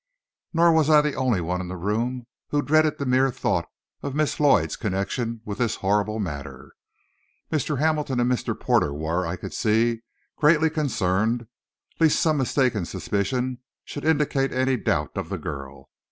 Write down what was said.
Nor was I the only one in the room who dreaded the mere thought of Miss Lloyd's connection with this horrible matter. Mr. Hamilton and Mr. Porter were, I could see, greatly concerned lest some mistaken suspicion should indicate any doubt of the girl.